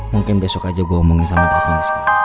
mungkin besok aja gue omongin sama davin